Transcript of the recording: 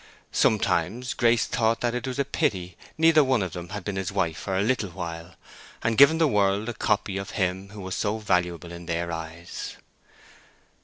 Sometimes Grace thought that it was a pity neither one of them had been his wife for a little while, and given the world a copy of him who was so valuable in their eyes.